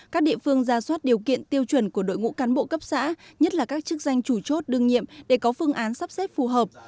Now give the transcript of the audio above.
các địa phương ra soát điều kiện tiêu chuẩn của đội ngũ cán bộ cấp xã nhất là các chức danh chủ chốt đương nhiệm để có phương án sắp xếp phù hợp